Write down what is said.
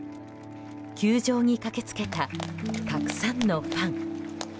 球場に駆け付けたたくさんのファン。